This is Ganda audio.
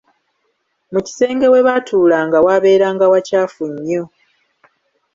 Mu kisenge we baatuulanga waabeeranga wacaafu nnyo!